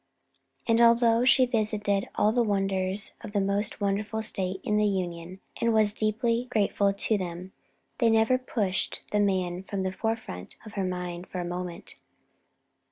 And although she visited all the wonders of the most wonderful State in the Union, and was deeply grateful to them, they never pushed the man from the forefront of her mind for a moment.